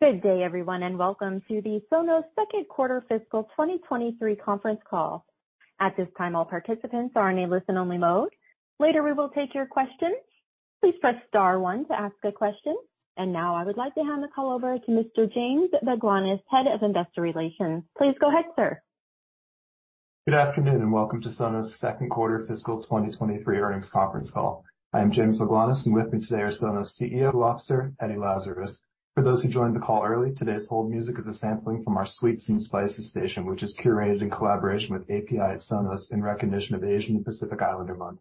Good day, everyone. Welcome to the Sonos second quarter fiscal 2023 conference call. At this time, all participants are in a listen only mode. Later, we will take your questions. Please press star one to ask a question. Now I would like to hand the call over to Mr. James Baglanis, Head of Investor Relations. Please go ahead, sir. Good afternoon, and welcome to Sonos second quarter fiscal 2023 earnings conference call. I am James Baglanis, and with me today are Sonos CEO officer, Patrick Spence. For those who joined the call early, today's hold music is a sampling from our Sweets and Spices station, which is curated in collaboration with API at Sonos in recognition of Asian American and Pacific Islander Heritage Month.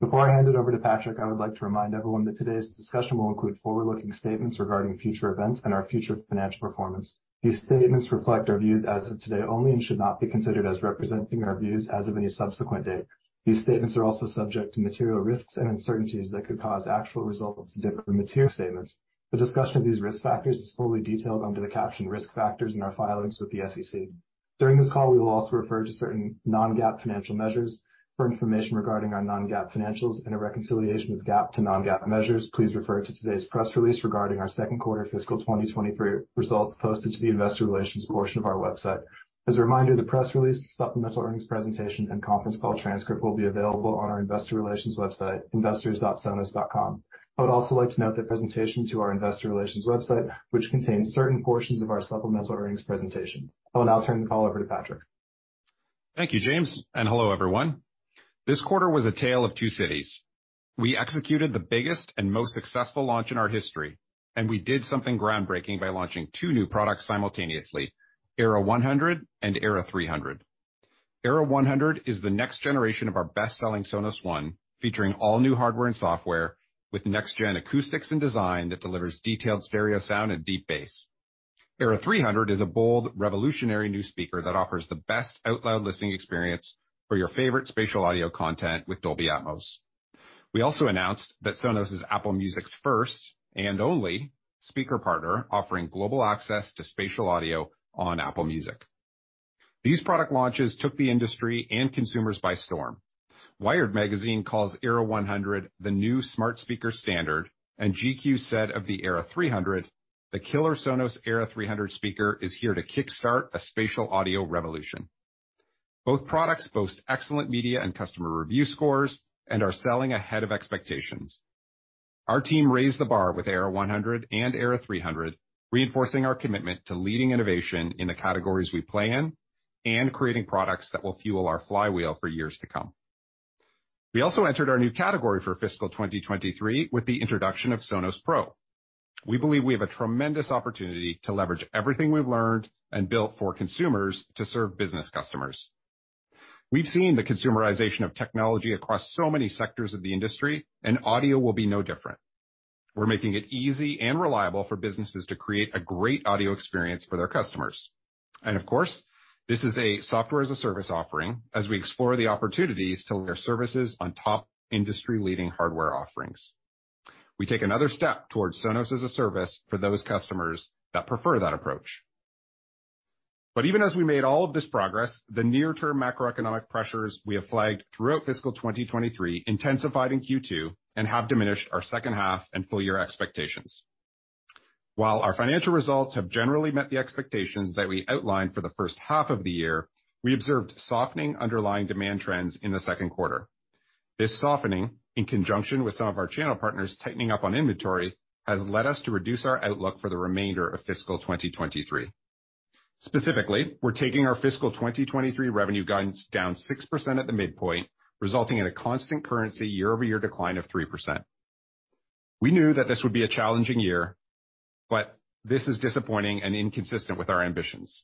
Before I hand it over to Patrick, I would like to remind everyone that today's discussion will include forward-looking statements regarding future events and our future financial performance. These statements reflect our views as of today only and should not be considered as representing our views as of any subsequent date. These statements are also subject to material risks and uncertainties that could cause actual results to differ from material statements. A discussion of these risk factors is fully detailed under the caption Risk Factors in our filings with the SEC. During this call, we will also refer to certain non-GAAP financial measures. For information regarding our non-GAAP financials and a reconciliation of GAAP to non-GAAP measures, please refer to today's press release regarding our second quarter fiscal 2023 results posted to the investor relations portion of our website. As a reminder, the press release, supplemental earnings presentation and conference call transcript will be available on our investor relations website, investors.sonos.com. I would also like to note that presentation to our investor relations website, which contains certain portions of our supplemental earnings presentation. I will now turn the call over to Patrick. Thank you, James, and hello, everyone. This quarter was A Tale of Two Cities. We executed the biggest and most successful launch in our history. We did something groundbreaking by launching two new products simultaneously, Era 100 and Era 300. Era 100 is the next generation of our best-selling Sonos One, featuring all new hardware and software with next gen acoustics and design that delivers detailed stereo sound and deep bass. Era 300 is a bold, revolutionary new speaker that offers the best out loud listening experience for your favorite spatial audio content with Dolby Atmos. We also announced that Sonos is Apple Music's first and only speaker partner offering global access to spatial audio on Apple Music. These product launches took the industry and consumers by storm. WIRED Magazine calls Era 100 the new smart speaker standard, and GQ said of the Era 300, "The killer Sonos Era 300 speaker is here to kickstart a spatial audio revolution." Both products boast excellent media and customer review scores and are selling ahead of expectations. Our team raised the bar with Era 100 and Era 300, reinforcing our commitment to leading innovation in the categories we play in and creating products that will fuel our flywheel for years to come. We also entered our new category for fiscal 2023 with the introduction of Sonos Pro. We believe we have a tremendous opportunity to leverage everything we've learned and built for consumers to serve business customers. We've seen the consumerization of technology across so many sectors of the industry, and audio will be no different. We're making it easy and reliable for businesses to create a great audio experience for their customers. Of course, this is a Software-as-a-Service offering as we explore the opportunities to layer services on top industry-leading hardware offerings. We take another step towards Sonos as a service for those customers that prefer that approach. Even as we made all of this progress, the near term macroeconomic pressures we have flagged throughout fiscal 2023 intensified in Q2 and have diminished our second half and full year expectations. While our financial results have generally met the expectations that we outlined for the first half of the year, we observed softening underlying demand trends in the second quarter. This softening, in conjunction with some of our channel partners tightening up on inventory, has led us to reduce our outlook for the remainder of fiscal 2023. Specifically, we're taking our fiscal 2023 revenue guidance down 6% at the midpoint, resulting in a constant currency year-over-year decline of 3%. We knew that this would be a challenging year, but this is disappointing and inconsistent with our ambitions.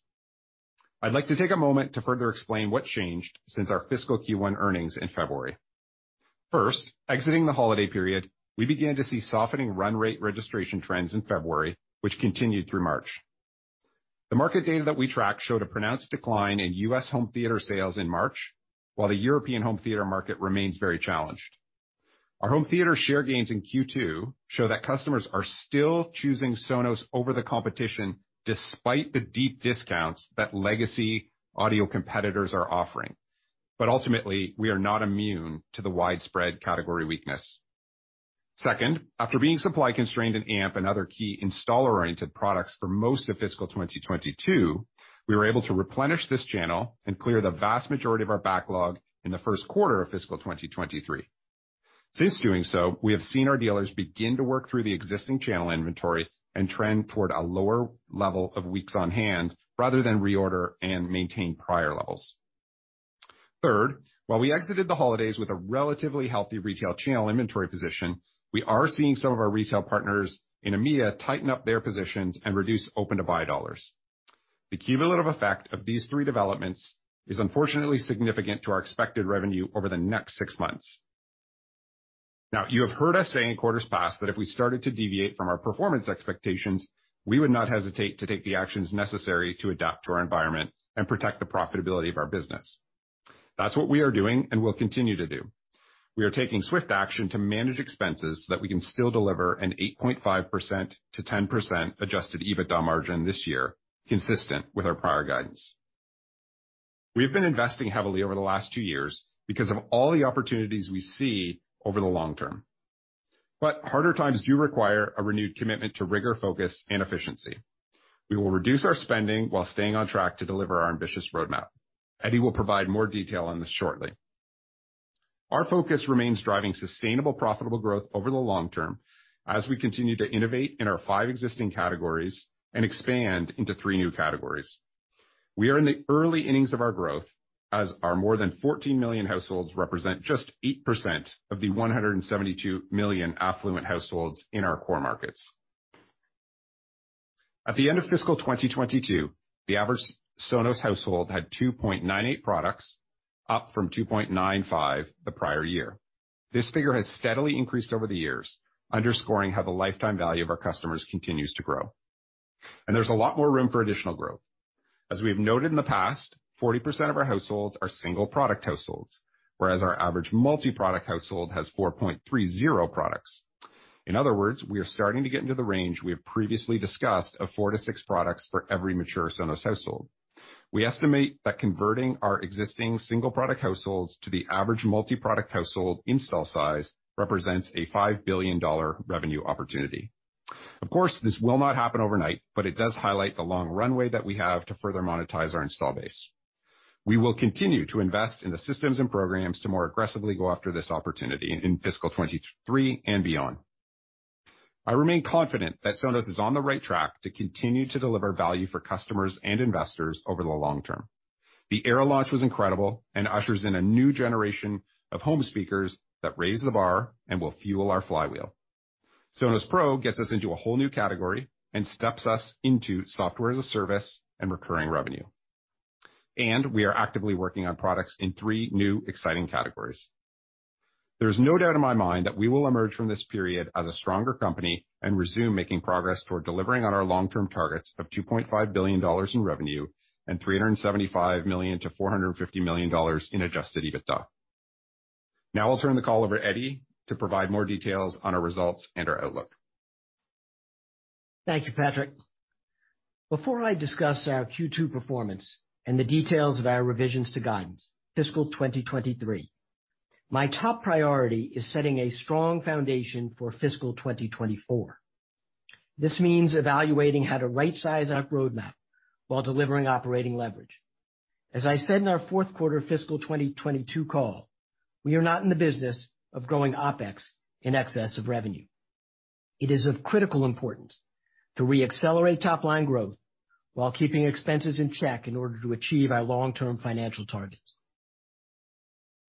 I'd like to take a moment to further explain what changed since our fiscal Q1 earnings in February. First, exiting the holiday period, we began to see softening run rate registration trends in February, which continued through March. The market data that we track showed a pronounced decline in U.S. home theater sales in March, while the European home theater market remains very challenged. Our home theater share gains in Q2 show that customers are still choosing Sonos over the competition, despite the deep discounts that legacy audio competitors are offering. Ultimately, we are not immune to the widespread category weakness. Second, after being supply constrained in Amp and other key installer-oriented products for most of fiscal 2022, we were able to replenish this channel and clear the vast majority of our backlog in the first quarter of fiscal 2023. Since doing so, we have seen our dealers begin to work through the existing channel inventory and trend toward a lower level of weeks on hand rather than reorder and maintain prior levels. Third, while we exited the holidays with a relatively healthy retail channel inventory position, we are seeing some of our retail partners in EMEA tighten up their positions and reduce open-to-buy dollars. The cumulative effect of these three developments is unfortunately significant to our expected revenue over the next six months. Now, you have heard us say in quarters past that if we started to deviate from our performance expectations, we would not hesitate to take the actions necessary to adapt to our environment and protect the profitability of our business. That's what we are doing and will continue to do. We are taking swift action to manage expenses so that we can still deliver an 8.5%-10% adjusted EBITDA margin this year, consistent with our prior guidance. Harder times do require a renewed commitment to rigor, focus, and efficiency. We will reduce our spending while staying on track to deliver our ambitious roadmap. Eddie will provide more detail on this shortly. Our focus remains driving sustainable, profitable growth over the long term as we continue to innovate in our five existing categories and expand into three new categories. We are in the early innings of our growth, as our more than 14 million households represent just 8% of the 172 million affluent households in our core markets. At the end of fiscal 2022, the average Sonos household had 2.98 products, up from 2.95 the prior year. This figure has steadily increased over the years, underscoring how the lifetime value of our customers continues to grow. There's a lot more room for additional growth. As we have noted in the past, 40% of our households are single product households, whereas our average multi-product household has 4.30 products. In other words, we are starting to get into the range we have previously discussed of 4 to 6 products for every mature Sonos household. We estimate that converting our existing single product households to the average multi-product household install size represents a $5 billion revenue opportunity. This will not happen overnight, but it does highlight the long runway that we have to further monetize our install base. We will continue to invest in the systems and programs to more aggressively go after this opportunity in fiscal 2023 and beyond. I remain confident that Sonos is on the right track to continue to deliver value for customers and investors over the long term. The Era launch was incredible and ushers in a new generation of home speakers that raise the bar and will fuel our flywheel. Sonos Pro gets us into a whole new category and steps us into Software-as-a-Service and recurring revenue. We are actively working on products in three new exciting categories. There's no doubt in my mind that we will emerge from this period as a stronger company and resume making progress toward delivering on our long-term targets of $2.5 billion in revenue and $375 million-$450 million in adjusted EBITDA. I'll turn the call over Eddie to provide more details on our results and our outlook. Thank you, Patrick. Before I discuss our Q2 performance and the details of our revisions to guidance fiscal 2023, my top priority is setting a strong foundation for fiscal 2024. This means evaluating how to right size our roadmap while delivering operating leverage. As I said in our fourth quarter fiscal 2022 call, we are not in the business of growing OpEx in excess of revenue. It is of critical importance to re-accelerate top-line growth while keeping expenses in check in order to achieve our long-term financial targets.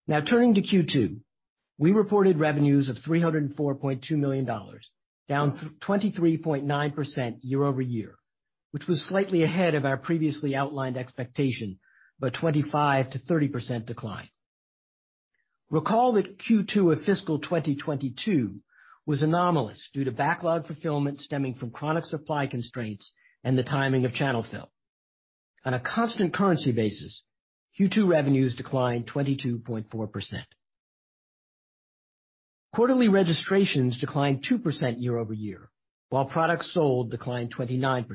Now turning to Q2, we reported revenues of $304.2 million, down 23.9% year-over-year, which was slightly ahead of our previously outlined expectation by 25%-30% decline. Recall that Q2 of fiscal 2022 was anomalous due to backlog fulfillment stemming from chronic supply constraints and the timing of channel fill. On a constant currency basis, Q2 revenues declined 22.4%. Quarterly registrations declined 2% year-over-year, while products sold declined 29%.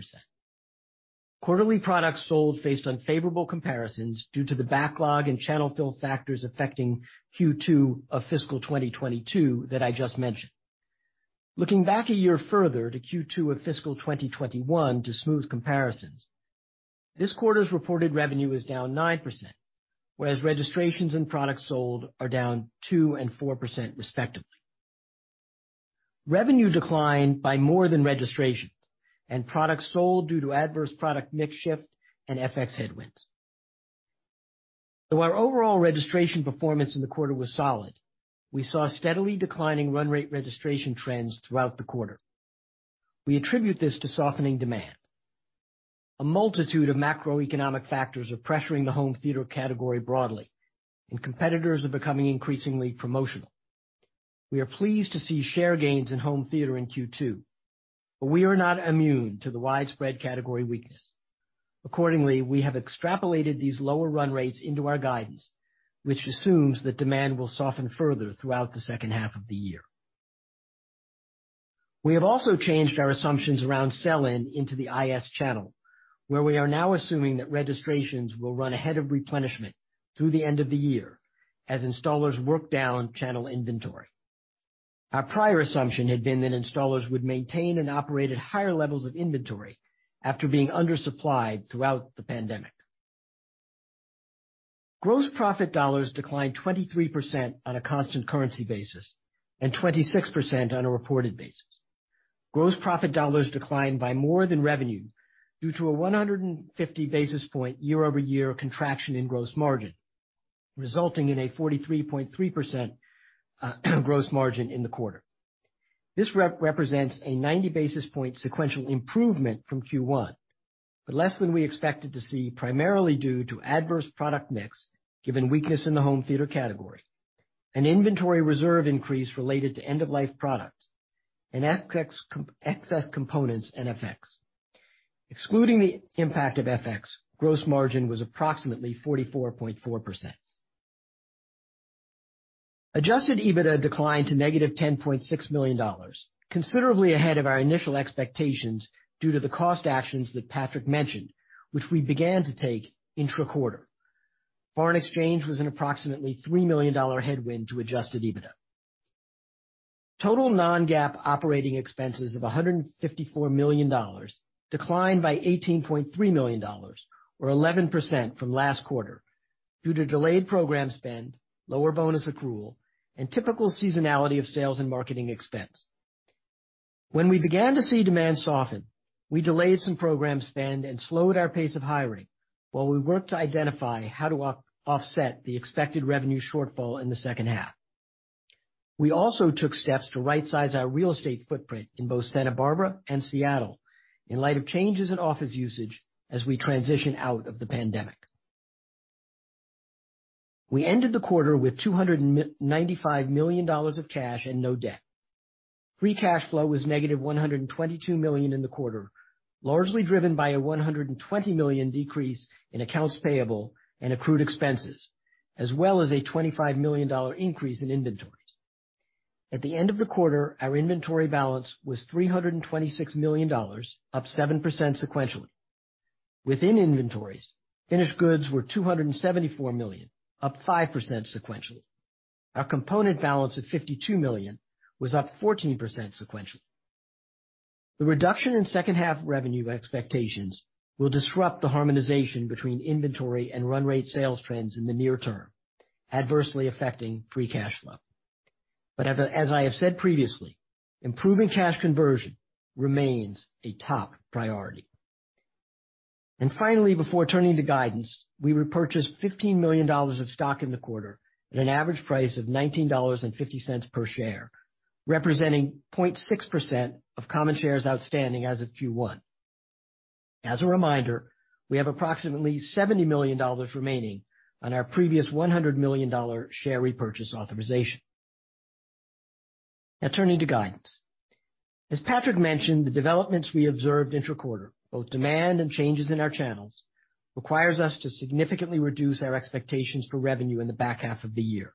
Quarterly products sold faced unfavorable comparisons due to the backlog and channel fill factors affecting Q2 of fiscal 2022 that I just mentioned. Looking back a year further to Q2 of fiscal 2021 to smooth comparisons, this quarter's reported revenue is down 9%, whereas registrations and products sold are down 2% and 4% respectively. Revenue declined by more than registrations and products sold due to adverse product mix shift and FX headwinds. Though our overall registration performance in the quarter was solid, we saw steadily declining run rate registration trends throughout the quarter. We attribute this to softening demand. A multitude of macroeconomic factors are pressuring the home theater category broadly, and competitors are becoming increasingly promotional. We are pleased to see share gains in home theater in Q2, but we are not immune to the widespread category weakness. Accordingly, we have extrapolated these lower run rates into our guidance, which assumes that demand will soften further throughout the second half of the year. We have also changed our assumptions around sell-in into the IS channel, where we are now assuming that registrations will run ahead of replenishment through the end of the year as installers work down channel inventory. Our prior assumption had been that installers would maintain and operate at higher levels of inventory after being undersupplied throughout the pandemic. Gross profit dollars declined 23% on a constant currency basis and 26% on a reported basis. Gross profit dollars declined by more than revenue due to a 150 basis point year-over-year contraction in gross margin, resulting in a 43.3% gross margin in the quarter. This represents a 90 basis point sequential improvement from Q1, but less than we expected to see, primarily due to adverse product mix given weakness in the home theater category, an inventory reserve increase related to end-of-life products and excess components and FX. Excluding the impact of FX, gross margin was approximately 44.4%. Adjusted EBITDA declined to -$10.6 million, considerably ahead of our initial expectations due to the cost actions that Patrick mentioned, which we began to take intra-quarter. Foreign exchange was an approximately $3 million headwind to adjusted EBITDA. Total non-GAAP OpEx of $154 million declined by $18.3 million, or 11% from last quarter due to delayed program spend, lower bonus accrual, and typical seasonality of sales and marketing expense. We began to see demand soften, we delayed some program spend and slowed our pace of hiring while we worked to identify how to offset the expected revenue shortfall in the second half. We also took steps to right-size our real estate footprint in both Santa Barbara and Seattle in light of changes in office usage as we transition out of the pandemic. We ended the quarter with $295 million of cash and no debt. Free cash flow was negative $122 million in the quarter, largely driven by a $120 million decrease in accounts payable and accrued expenses, as well as a $25 million increase in inventories. At the end of the quarter, our inventory balance was $326 million, up 7% sequentially. Within inventories, finished goods were $274 million, up 5% sequentially. Our component balance at $52 million was up 14% sequentially. The reduction in second half revenue expectations will disrupt the harmonization between inventory and run rate sales trends in the near term, adversely affecting free cash flow. As I have said previously, improving cash conversion remains a top priority. Finally, before turning to guidance, we repurchased $15 million of stock in the quarter at an average price of $19.50 per share, representing 0.6% of common shares outstanding as of Q1. As a reminder, we have approximately $70 million remaining on our previous $100 million share repurchase authorization. Turning to guidance. As Patrick mentioned, the developments we observed intra-quarter, both demand and changes in our channels, requires us to significantly reduce our expectations for revenue in the back half of the year.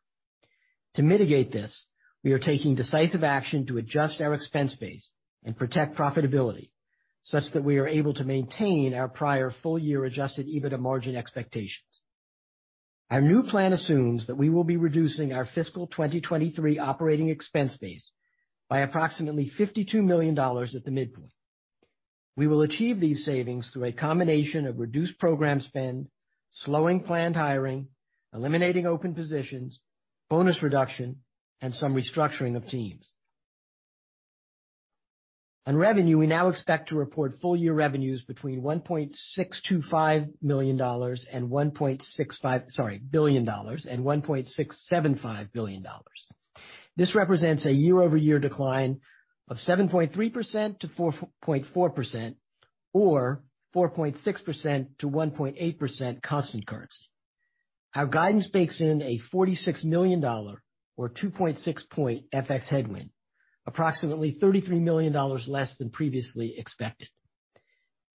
To mitigate this, we are taking decisive action to adjust our expense base and protect profitability such that we are able to maintain our prior full year adjusted EBITDA margin expectations. Our new plan assumes that we will be reducing our fiscal 2023 operating expense base by approximately $52 million at the midpoint. We will achieve these savings through a combination of reduced program spend, slowing planned hiring, eliminating open positions, bonus reduction, and some restructuring of teams. On revenue, we now expect to report full-year revenues between $1.625 billion and, sorry, $1.675 billion. This represents a year-over-year decline of 7.3%-4.4% or 4.6%-1.8% constant currency. Our guidance bakes in a $46 million or 2.6 point FX headwind, approximately $33 million less than previously expected.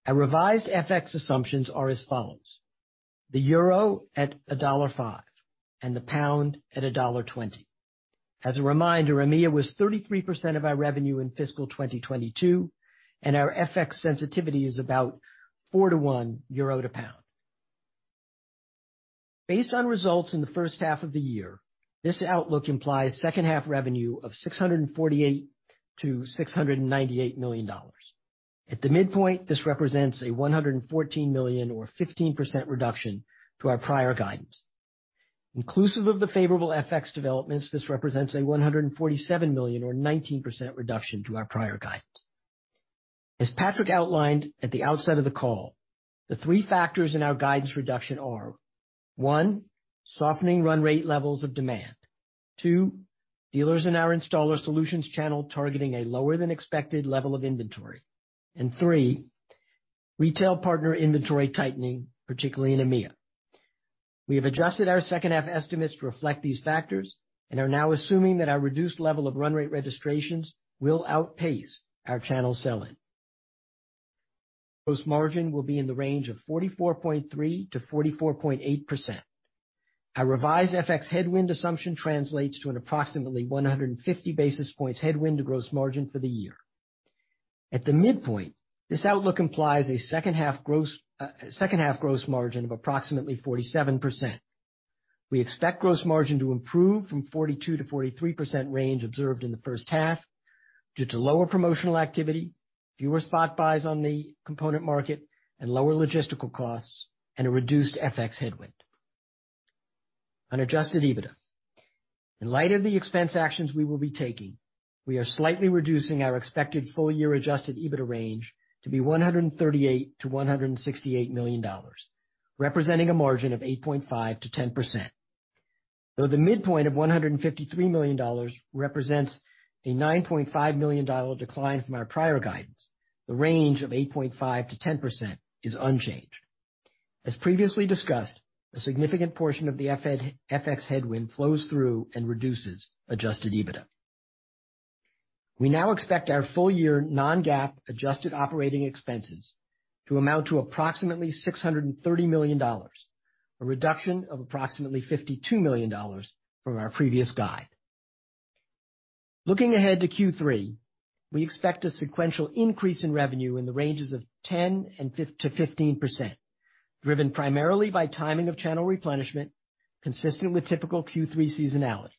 Our revised FX assumptions are as follows: The euro at $1.05 and the pound at $1.20. As a reminder, EMEA was 33% of our revenue in fiscal 2022, and our FX sensitivity is about 4 to euro to pound. Based on results in the first half of the year, this outlook implies second half revenue of $648 million-$698 million. At the midpoint, this represents a $114 million or 15% reduction to our prior guidance. Inclusive of the favorable FX developments, this represents a $147 million or 19% reduction to our prior guidance. As Patrick outlined at the outset of the call, the three factors in our guidance reduction are, one, softening run rate levels of demand. Two, dealers in our installer solutions channel targeting a lower than expected level of inventory. Three, retail partner inventory tightening, particularly in EMEA. We have adjusted our second half estimates to reflect these factors and are now assuming that our reduced level of run rate registrations will outpace our channel sell-in. Gross margin will be in the range of 44.3%-44.8%. Our revised FX headwind assumption translates to an approximately 150 basis points headwind to gross margin for the year. At the midpoint, this outlook implies a second half gross margin of approximately 47%. We expect gross margin to improve from 42%-43% range observed in the first half due to lower promotional activity, fewer spot buys on the component market and lower logistical costs and a reduced FX headwind. On adjusted EBITDA. In light of the expense actions we will be taking, we are slightly reducing our expected full year adjusted EBITDA range to be $138 million-$168 million, representing a margin of 8.5%-10%, though the midpoint of $153 million represents a $9.5 million decline from our prior guidance. The range of 8.5%-10% is unchanged. As previously discussed, a significant portion of the FX headwind flows through and reduces adjusted EBITDA. We now expect our full year non-GAAP adjusted operating expenses to amount to approximately $630 million, a reduction of approximately $52 million from our previous guide. Looking ahead to Q3, we expect a sequential increase in revenue in the ranges of 10%-15%, driven primarily by timing of channel replenishment, consistent with typical Q3 seasonality.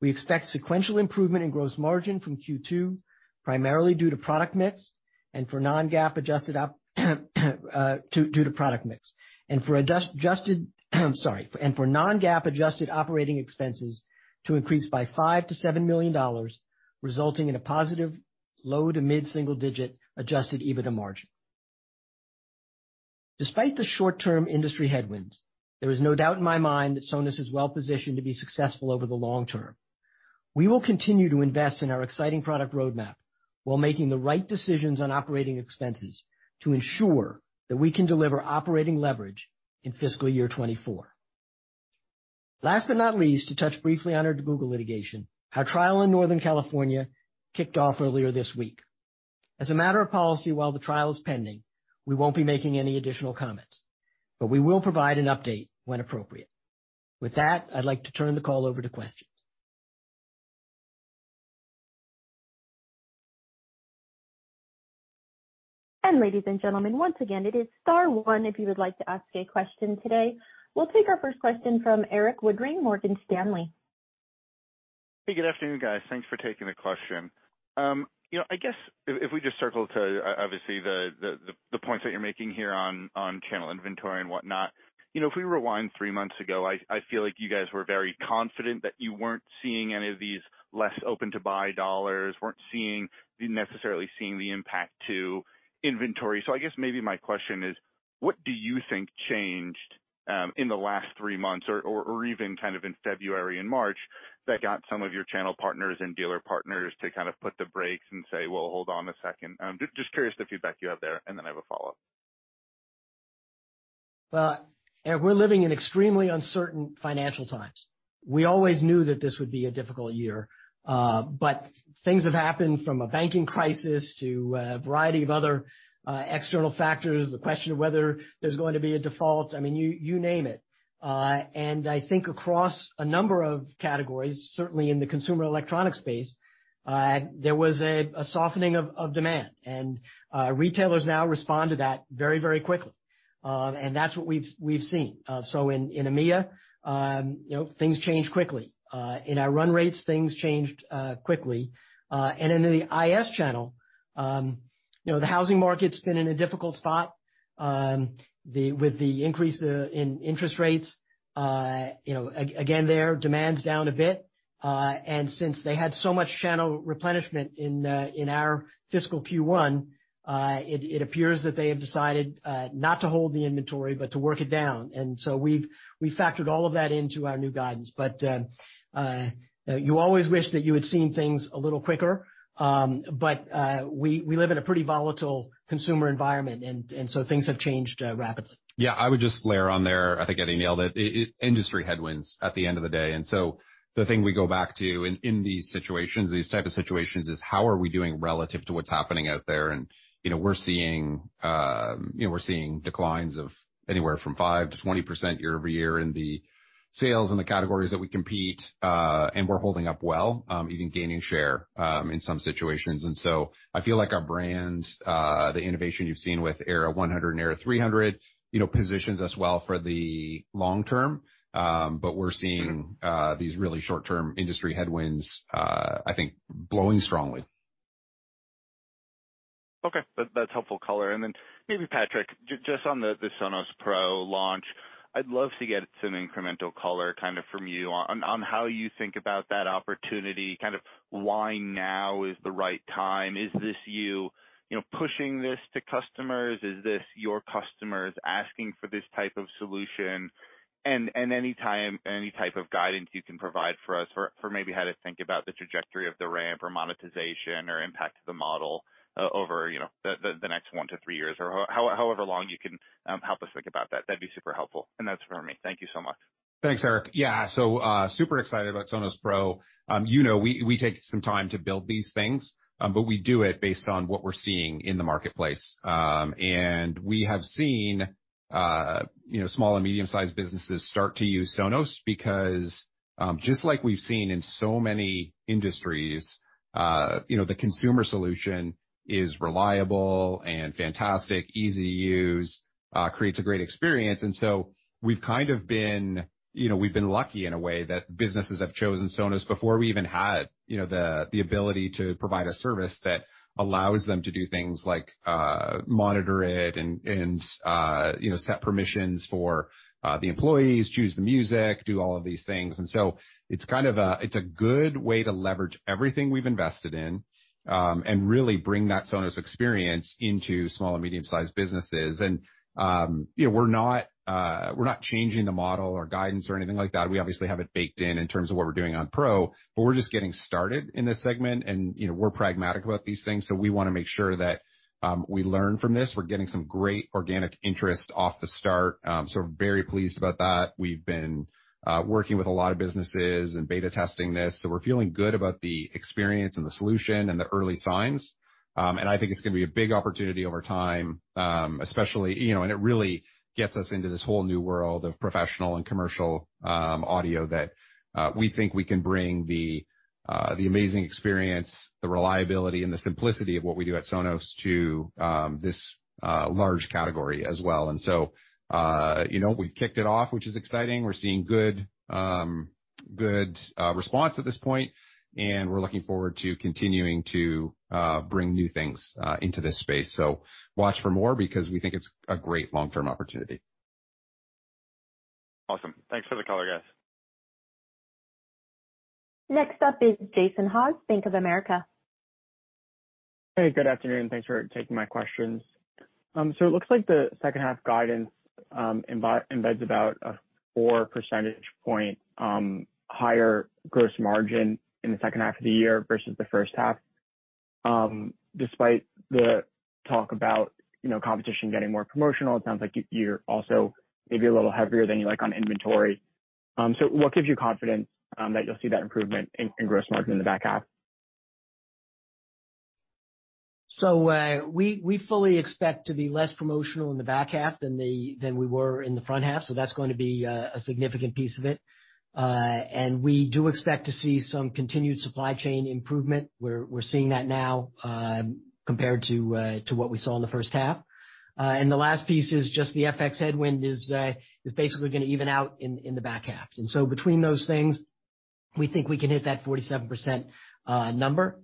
We expect sequential improvement in gross margin from Q2, primarily due to product mix, and for non-GAAP adjusted operating expenses to increase by $5 million-$7 million, resulting in a positive low to mid-single digit adjusted EBITDA margin. Despite the short-term industry headwinds, there is no doubt in my mind that Sonos is well-positioned to be successful over the long term. We will continue to invest in our exciting product roadmap while making the right decisions on operating expenses to ensure that we can deliver operating leverage in fiscal year 2024. Last but not least, to touch briefly on our Google litigation, our trial in Northern California kicked off earlier this week. As a matter of policy, while the trial is pending, we won't be making any additional comments, but we will provide an update when appropriate. With that, I'd like to turn the call over to questions. Ladies and gentlemen, once again, it is star one if you would like to ask a question today. We'll take our first question from Erik Woodring, Morgan Stanley. Hey, good afternoon, guys. Thanks for taking the question. you know, I guess if we just circle to obviously the points that you're making here on channel inventory and whatnot, you know, if we rewind three months ago, I feel like you guys were very confident that you weren't seeing any of these less open-to-buy dollars, weren't necessarily seeing the impact to inventory. I guess maybe my question is, what do you think changed in the last three months or even kind of in February and March that got some of your channel partners and dealer partners to kind of put the brakes and say, "Well, hold on a second." Just curious the feedback you have there, and then I have a follow-up. Well, we're living in extremely uncertain financial times. We always knew that this would be a difficult year, things have happened from a banking crisis to a variety of other external factors, the question of whether there's going to be a default. I mean, you name it. I think across a number of categories, certainly in the consumer electronic space, there was a softening of demand. Retailers now respond to that very, very quickly. That's what we've seen. In EMEA, you know, things change quickly. In our run rates, things changed quickly. In the IS channel, you know, the housing market's been in a difficult spot, with the increase in interest rates, you know, again, their demand's down a bit. Since they had so much channel replenishment in our fiscal Q1, it appears that they have decided not to hold the inventory, but to work it down. We've factored all of that into our new guidance. You always wish that you had seen things a little quicker, but we live in a pretty volatile consumer environment and so things have changed rapidly. Yeah. I would just layer on there. I think Eddie nailed it. Industry headwinds at the end of the day. The thing we go back to in these situations, these type of situations, is how are we doing relative to what's happening out there? You know, we're seeing declines of anywhere from 5%-20% year-over-year in the sales in the categories that we compete, and we're holding up well, even gaining share in some situations. I feel like our brands, the innovation you've seen with Era 100 and Era 300, you know, positions us well for the long term. We're seeing these really short term industry headwinds, I think blowing strongly. Okay. That's helpful color. Then maybe Patrick, just on the Sonos Pro launch, I'd love to get some incremental color kind of from you on how you think about that opportunity, kind of why now is the right time? Is this you know, pushing this to customers? Is this your customers asking for this type of solution? Any time, any type of guidance you can provide for us for maybe how to think about the trajectory of the ramp or monetization or impact of the model over, you know, the next one to three years or however long you can help us think about that. That'd be super helpful. That's it for me. Thank you so much. Thanks, Erik. Yeah. Super excited about Sonos Pro. You know, we take some time to build these things, but we do it based on what we're seeing in the marketplace. We have seen, you know, small and medium sized businesses start to use Sonos because, just like we've seen in so many industries, you know, the consumer solution is reliable and fantastic, easy to use, creates a great experience. We've kind of been, you know, we've been lucky in a way that businesses have chosen Sonos before we even had, you know, the ability to provide a service that allows them to do things like, monitor it and, you know, set permissions for, the employees, choose the music, do all of these things. It's a good way to leverage everything we've invested in and really bring that Sonos experience into small and medium-sized businesses. You know, we're not, we're not changing the model or guidance or anything like that. We obviously have it baked in in terms of what we're doing on Pro, we're just getting started in this segment. You know, we're pragmatic about these things, so we wanna make sure that we learn from this. We're getting some great organic interest off the start, so very pleased about that. We've been working with a lot of businesses and beta testing this, so we're feeling good about the experience and the solution and the early signs. I think it's gonna be a big opportunity over time, especially, you know, and it really gets us into this whole new world of professional and commercial audio that we think we can bring the amazing experience, the reliability, and the simplicity of what we do at Sonos to this large category as well. You know, we've kicked it off, which is exciting. We're seeing good response at this point, and we're looking forward to continuing to bring new things into this space. Watch for more because we think it's a great long-term opportunity. Awesome. Thanks for the color, guys. Next up is Jason Haas, Bank of America. Hey, good afternoon. Thanks for taking my questions. It looks like the second half guidance embeds about a 4 percentage point higher gross margin in the second half of the year versus the first half. Despite the talk about, you know, competition getting more promotional, it sounds like you're also maybe a little heavier than you like on inventory. What gives you confidence that you'll see that improvement in gross margin in the back half? We fully expect to be less promotional in the back half than we were in the front half, so that's going to be a significant piece of it. We do expect to see some continued supply chain improvement. We're seeing that now, compared to what we saw in the first half. The last piece is just the FX headwind is basically gonna even out in the back half. Between those things, we think we can hit that 47% number.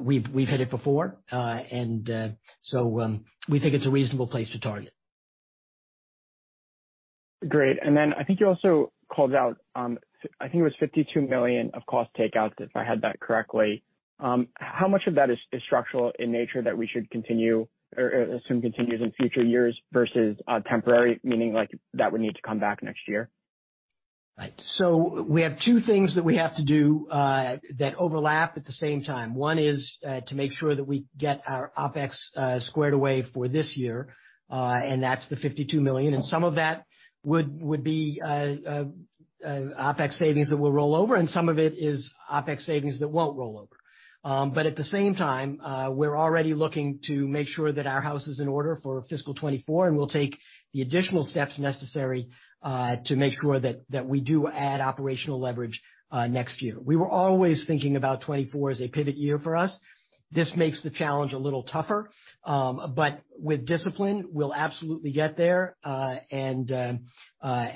We've hit it before, and we think it's a reasonable place to target. Great. I think you also called out, I think it was $52 million of cost takeouts, if I had that correctly. How much of that is structural in nature that we should continue or assume continues in future years versus, temporary, meaning like that would need to come back next year? Right. We have two things that we have to do, that overlap at the same time. One is to make sure that we get our OpEx squared away for this year, and that's the $52 million, and some of that would be OpEx savings that will roll over, and some of it is OpEx savings that won't roll over. At the same time, we're already looking to make sure that our house is in order for fiscal 2024, and we'll take the additional steps necessary to make sure that we do add operational leverage next year. We were always thinking about 2024 as a pivot year for us. This makes the challenge a little tougher, with discipline, we'll absolutely get there. As I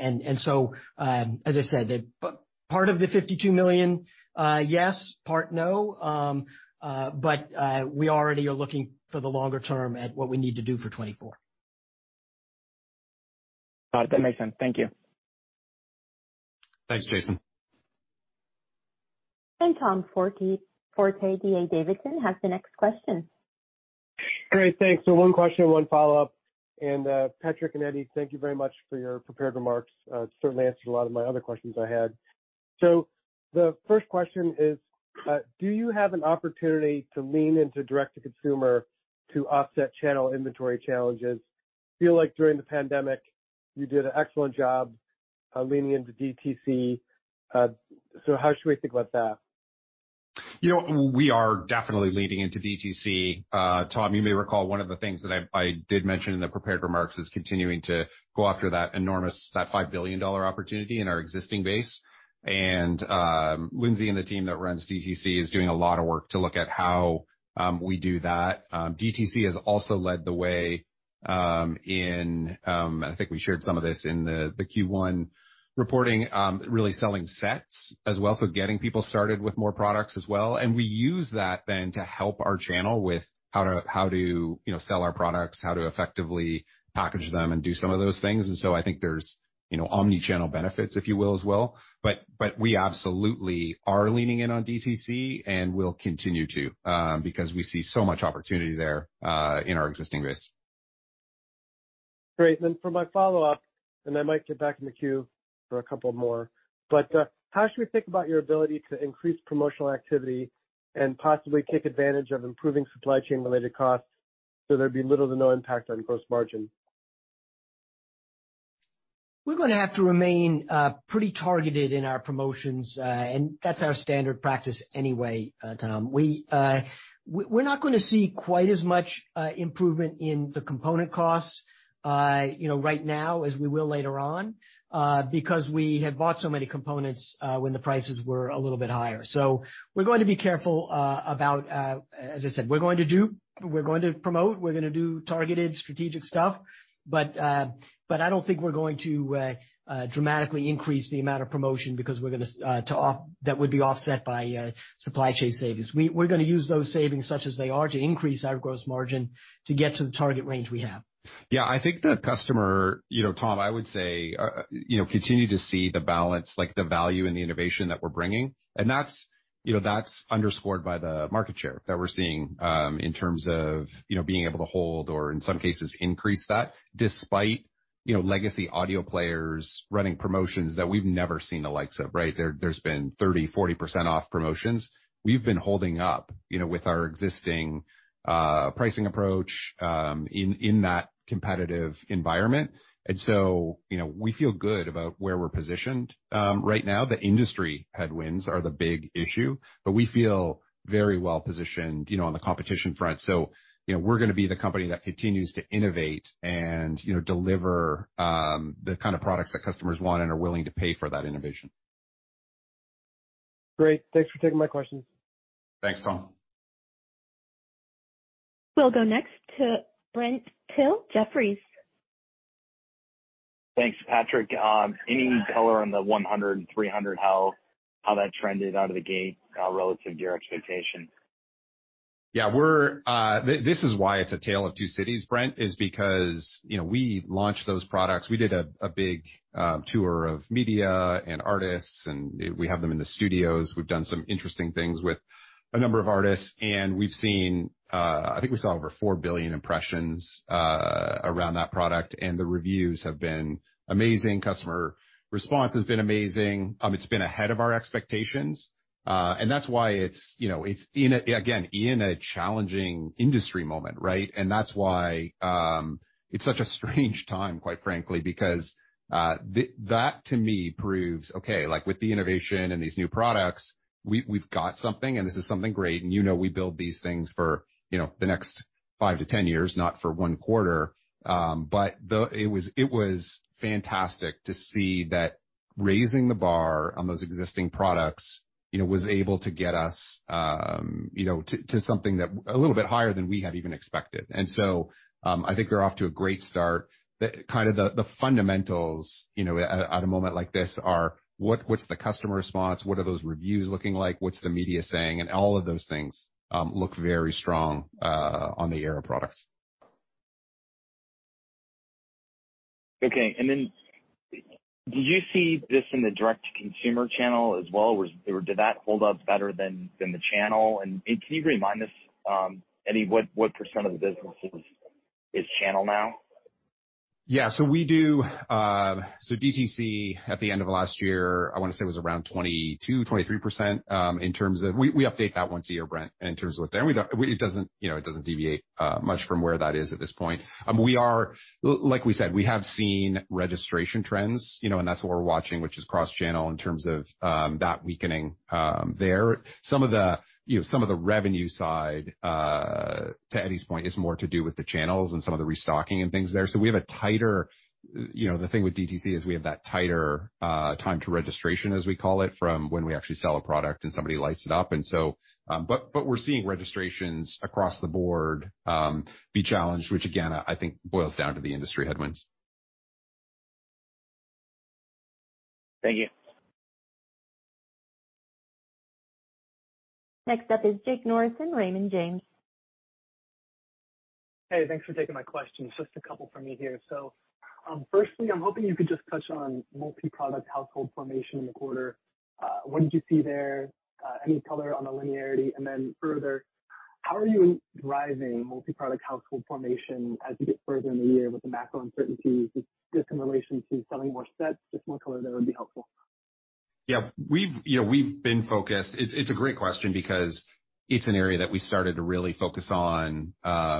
said, part of the $52 million, yes, part no, we already are looking for the longer term at what we need to do for 2024. Got it. That makes sense. Thank you. Thanks, Jason. Tom Forte D.A. Davidson, has the next question. Great. Thanks. One question, one follow-up. Patrick and Eddie, thank you very much for your prepared remarks. It certainly answered a lot of my other questions I had. The first question is, do you have an opportunity to lean into direct-to-consumer to offset channel inventory challenges? Feel like during the pandemic, you did an excellent job leaning into DTC, so how should we think about that? You know, we are definitely leaning into DTC. Tom, you may recall one of the things that I did mention in the prepared remarks is continuing to go after that enormous, that $5 billion opportunity in our existing base. Lindsay and the team that runs DTC is doing a lot of work to look at how we do that. DTC has also led the way in I think we shared some of this in the Q1 reporting, really selling sets as well, so getting people started with more products as well. We use that then to help our channel with how to, you know, sell our products, how to effectively package them and do some of those things. I think there's, you know, omni-channel benefits, if you will, as well. We absolutely are leaning in on DTC, and we'll continue to, because we see so much opportunity there, in our existing base. Great. For my follow-up, I might get back in the queue for a couple more. How should we think about your ability to increase promotional activity and possibly take advantage of improving supply chain related costs, so there'd be little to no impact on gross margin? We're gonna have to remain pretty targeted in our promotions. That's our standard practice anyway, Tom. We're not gonna see quite as much improvement in the component costs, you know, right now as we will later on, because we had bought so many components, when the prices were a little bit higher. We're going to be careful about as I said, we're going to do, we're going to promote, we're gonna do targeted strategic stuff. I don't think we're going to dramatically increase the amount of promotion because that would be offset by supply chain savings. We're gonna use those savings such as they are to increase our gross margin to get to the target range we have. Yeah, I think the customer, you know, Tom, I would say, you know, continue to see the balance, like the value and the innovation that we're bringing, and that's, you know, that's underscored by the market share that we're seeing, in terms of, you know, being able to hold or in some cases increase that despite, you know, legacy audio players running promotions that we've never seen the likes of, right? There's been 30%-40% off promotions. We've been holding up, you know, with our existing, pricing approach, in that competitive environment. We feel good about where we're positioned. Right now, the industry headwinds are the big issue, but we feel very well-positioned, you know, on the competition front. You know, we're gonna be the company that continues to innovate and, you know, deliver the kind of products that customers want and are willing to pay for that innovation. Great. Thanks for taking my questions. Thanks, Tom. We'll go next to Brent Thill, Jefferies. Thanks, Patrick. Any color on the Era 100 and Era 300, how that trended out of the gate, relative to your expectation? We're This is why it's A Tale of Two Cities, Brent, is because, you know, we launched those products. We did a big tour of media and artists, and we have them in the studios. We've done some interesting things with a number of artists, and we've seen, I think we saw over 4 billion impressions around that product, and the reviews have been amazing. Customer response has been amazing. It's been ahead of our expectations, and that's why it's, you know, it's again, in a challenging industry moment, right? That's why it's such a strange time, quite frankly, because that to me proves, okay, like with the innovation and these new products, we've got something and this is something great. You know we build these things for, you know, the next five to 10 years, not for one quarter. It was fantastic to see that raising the bar on those existing products, you know, was able to get us, you know, to something that a little bit higher than we had even expected. I think they're off to a great start. The kind of the fundamentals, you know, at a moment like this are what's the customer response? What are those reviews looking like? What's the media saying? All of those things look very strong on the Era products. Okay. Then did you see this in the direct-to-consumer channel as well, or did that hold up better than the channel? Can you remind us, Eddie, what percent of the business is channel now? Yeah. DTC, at the end of last year, I wanna say was around 22%-23%, in terms of. We update that once a year, Brent, in terms of what. It doesn't, you know, it doesn't deviate much from where that is at this point. Like we said, we have seen registration trends, you know, and that's what we're watching, which is cross-channel in terms of that weakening there. Some of the, you know, some of the revenue side, to Eddie's point, is more to do with the channels and some of the restocking and things there. We have a tighter. You know, the thing with DTC is we have that tighter time to registration, as we call it, from when we actually sell a product and somebody lights it up. We're seeing registrations across the board, be challenged, which again, I think boils down to the industry headwinds. Thank you. Next up is Jake Norrison from Raymond James. Hey, thanks for taking my questions. Just a couple from me here. Firstly, I'm hoping you could just touch on multi-product household formation in the quarter. What did you see there? Any color on the linearity? Further, how are you driving multi-product household formation as you get further in the year with the macro uncertainties, just in relation to selling more sets? Just more color there would be helpful. Yeah. We've, you know, we've been focused. It's a great question because it's an area that we started to really focus on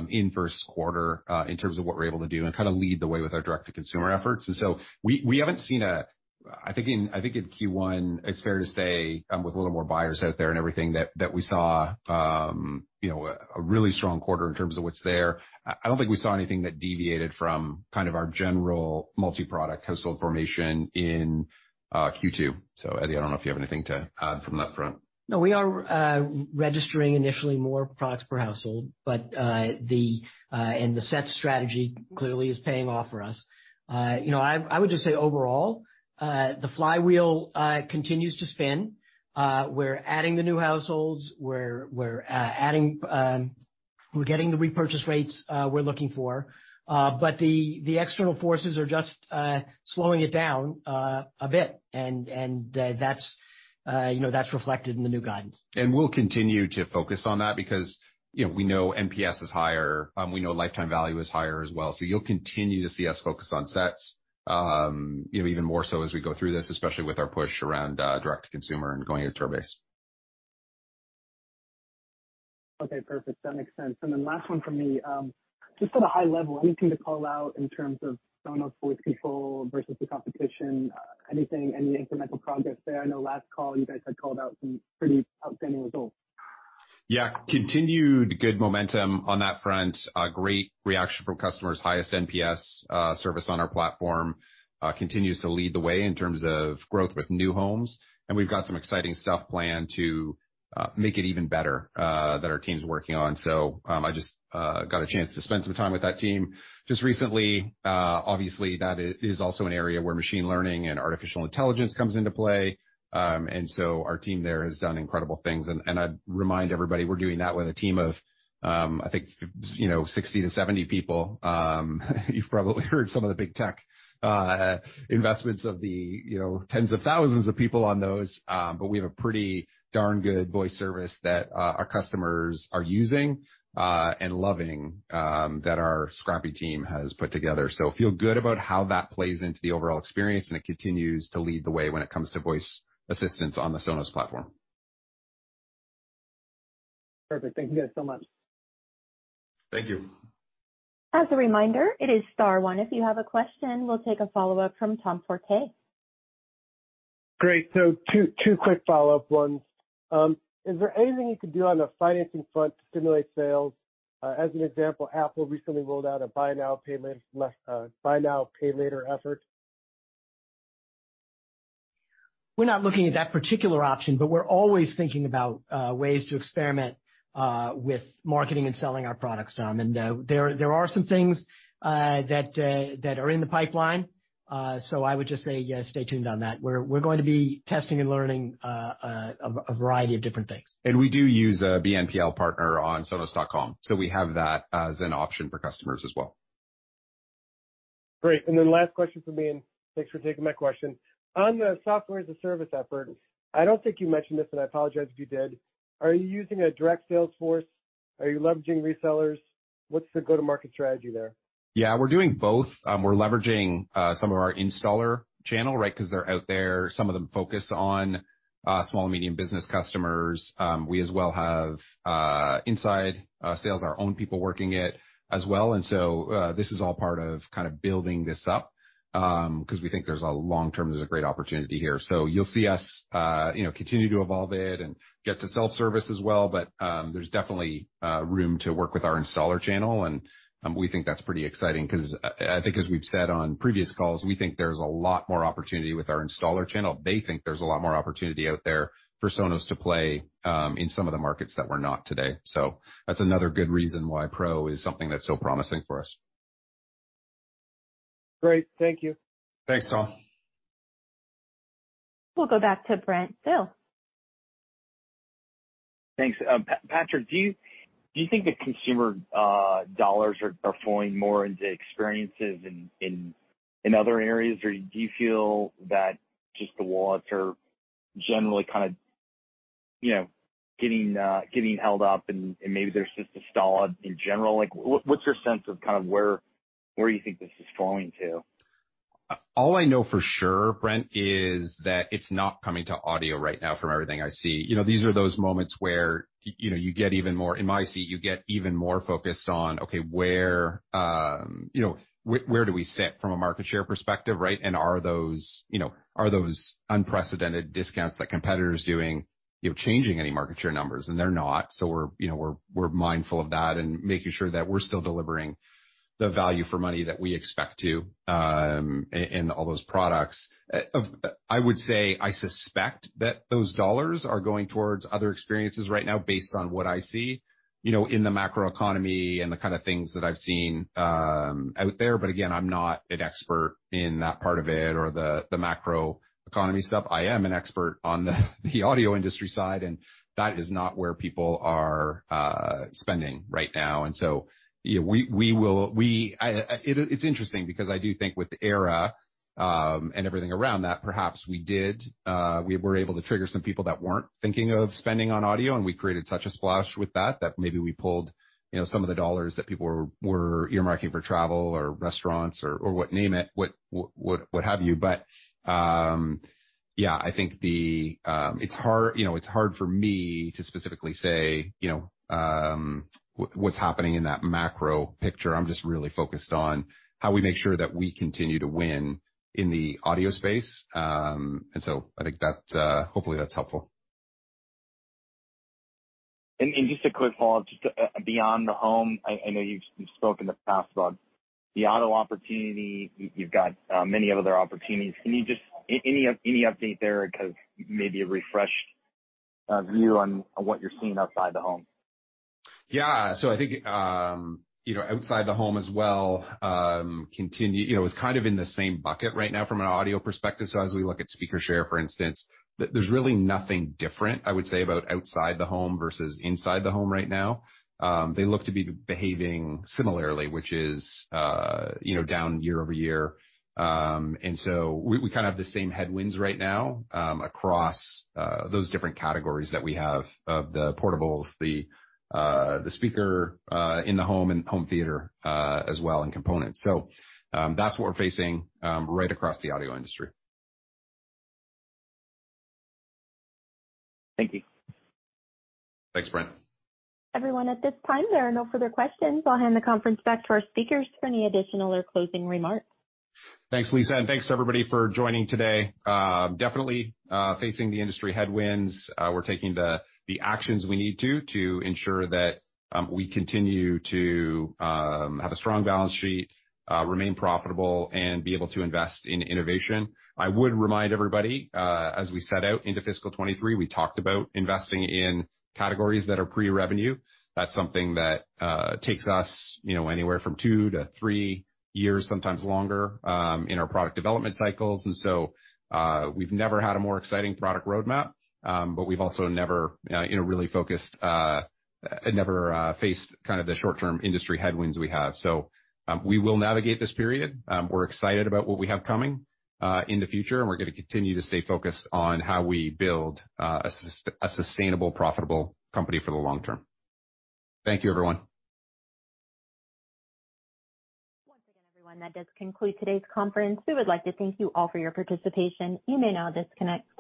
in first quarter in terms of what we're able to do and kind of lead the way with our direct-to-consumer efforts. I think in Q1, it's fair to say, with a little more buyers out there and everything that we saw, you know, a really strong quarter in terms of what's there. I don't think we saw anything that deviated from kind of our general multi-product household formation in Q2. Eddie, I don't know if you have anything to add from that front. No, we are registering initially more products per household, but the set strategy clearly is paying off for us. You know, I would just say overall, the flywheel continues to spin. We're adding the new households. We're adding, we're getting the repurchase rates we're looking for, but the external forces are just slowing it down a bit. That's, you know, that's reflected in the new guidance. We'll continue to focus on that because, you know, we know NPS is higher. We know lifetime value is higher as well. You'll continue to see us focus on sets, you know, even more so as we go through this, especially with our push around direct to consumer and growing our tour base. Okay. Perfect. That makes sense. Last one from me. Just at a high level, anything to call out in terms of Sonos Voice Control versus the competition, anything, any incremental progress there? I know last call you guys had called out some pretty outstanding results. Yeah. Continued good momentum on that front. A great reaction from customers. Highest NPS service on our platform continues to lead the way in terms of growth with new homes. We've got some exciting stuff planned to make it even better that our team's working on. I just got a chance to spend some time with that team just recently. Obviously that is also an area where machine learning and artificial intelligence comes into play. Our team there has done incredible things. I'd remind everybody, we're doing that with a team of I think, you know, 60 to 70 people. You've probably heard some of the big tech investments of the, you know, tens of thousands of people on those. We have a pretty darn good voice service that our customers are using and loving that our scrappy team has put together. Feel good about how that plays into the overall experience, and it continues to lead the way when it comes to voice assistance on the Sonos platform. Perfect. Thank you guys so much. Thank you. As a reminder, it is star one if you have a question. We'll take a follow-up from Tom Forte. Great. Two quick follow-up ones. Is there anything you could do on the financing front to stimulate sales? As an example, Apple recently rolled out a buy now, pay later effort. We're not looking at that particular option, but we're always thinking about ways to experiment with marketing and selling our products, Tom. There are some things that are in the pipeline. I would just say, yeah, stay tuned on that. We're going to be testing and learning a variety of different things. We do use a BNPL partner on sonos.com. We have that as an option for customers as well. Great. Last question from me, and thanks for taking my question. On the Software-as-a-Service effort, I don't think you mentioned this, and I apologize if you did. Are you using a direct sales force? Are you leveraging resellers? What's the go-to-market strategy there? Yeah, we're doing both. We're leveraging some of our installer channel, right? Because they're out there. Some of them focus on small and medium business customers. We as well have inside sales, our own people working it as well. This is all part of kind of building this up because we think there's a long term, there's a great opportunity here. You'll see us, you know, continue to evolve it and get to self-service as well. There's definitely room to work with our installer channel and we think that's pretty exciting because I think as we've said on previous calls, we think there's a lot more opportunity with our installer channel. They think there's a lot more opportunity out there for Sonos to play, in some of the markets that we're not today. That's another good reason why Pro is something that's so promising for us. Great. Thank you. Thanks, Tom. We'll go back to Brent Thill. Thanks. Patrick, do you think the consumer dollars are flowing more into experiences in other areas or do you feel that just the wallets are generally kind of, you know, getting held up and maybe they're just stalled in general? Like what's your sense of kind of where you think this is flowing to? All I know for sure, Brent, is that it's not coming to audio right now from everything I see. You know, these are those moments where you know, you get even more... In my seat, you get even more focused on, okay, where, you know, where do we sit from a market share perspective, right? Are those, you know, are those unprecedented discounts that competitors doing, you know, changing any market share numbers? They're not. We're, you know, we're mindful of that and making sure that we're still delivering the value for money that we expect to, in all those products. I would say I suspect that those dollars are going towards other experiences right now based on what I see, you know, in the macroeconomy and the kind of things that I've seen, out there. Again, I'm not an expert in that part of it or the macroeconomy stuff. I am an expert on the audio industry side, and that is not where people are spending right now. You know, we will, it's interesting because I do think with Era, and everything around that, perhaps we did, we were able to trigger some people that weren't thinking of spending on audio, and we created such a splash with that maybe we pulled, you know, some of the dollars that people were earmarking for travel or restaurants or what, name it, what have you. Yeah, I think it's hard, you know, it's hard for me to specifically say, you know, what's happening in that macro picture. I'm just really focused on how we make sure that we continue to win in the audio space. I think that, hopefully that's helpful. Just a quick follow-up, just beyond the home, I know you've spoken in the past about the auto opportunity. You've got many other opportunities. Any update there? Kind of maybe a refreshed view on what you're seeing outside the home. Yeah. I think, you know, outside the home as well, continue, you know, is kind of in the same bucket right now from an audio perspective. As we look at speaker share, for instance, there's really nothing different, I would say, about outside the home versus inside the home right now. They look to be behaving similarly, which is, you know, down year-over-year. We, we kind of have the same headwinds right now, across those different categories that we have of the portables, the speaker, in the home and home theater, as well, and components. That's what we're facing, right across the audio industry. Thank you. Thanks, Brent. Everyone, at this time, there are no further questions. I'll hand the conference back to our speakers for any additional or closing remarks. Thanks, Lisa, and thanks, everybody, for joining today. Definitely facing the industry headwinds. We're taking the actions we need to to ensure that we continue to have a strong balance sheet, remain profitable and be able to invest in innovation. I would remind everybody, as we set out into fiscal 2023, we talked about investing in categories that are pre-revenue. That's something that takes us, you know, anywhere from two to three years, sometimes longer, in our product development cycles. We've never had a more exciting product roadmap, but we've also never, you know, really focused, never faced kind of the short-term industry headwinds we have. We will navigate this period. We're excited about what we have coming in the future. We're gonna continue to stay focused on how we build a sustainable, profitable company for the long term. Thank you, everyone. Once again, everyone, that does conclude today's conference. We would like to thank you all for your participation. You may now disconnect.